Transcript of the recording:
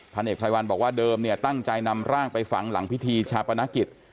เอกไรวันบอกว่าเดิมเนี่ยตั้งใจนำร่างไปฝังหลังพิธีชาปนกิจ